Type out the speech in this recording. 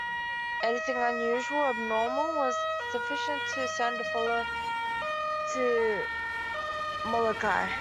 Anything unusual or abnormal was sufficient to send a fellow to Molokai.